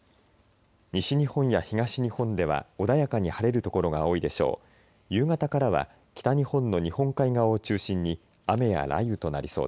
西日本や東日本では穏やかに晴れる所が多いでしょう。